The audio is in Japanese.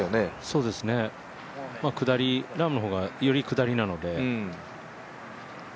そうですね、ラームの方がより下りなので。